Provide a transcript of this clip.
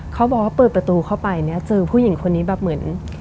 เขาบอกว่าเปิดประตูเข้าไปเนี่ยเจอผู้หญิงคนนี้แบบเหมือน